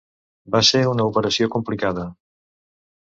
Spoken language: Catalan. Va ser una operació complicada.